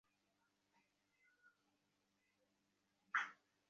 লাবণ্য হেসে বললে, লোকটা তবু যদি অমান্য করে চলে যায়?